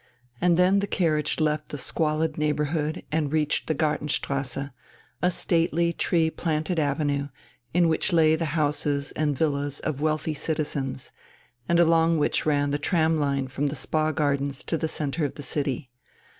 And then the carriage left the squalid neighbourhood and reached the Gartenstrasse, a stately tree planted avenue, in which lay the houses and villas of wealthy citizens, and along which ran the tram line from the Spa Gardens to the centre of the city.